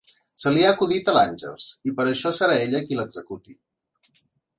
Se li ha acudit a l'Àngels, i per això serà ella qui l'executi.